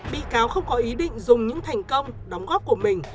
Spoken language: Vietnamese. bị cáo không có ý định dùng những thành công đóng góp của mình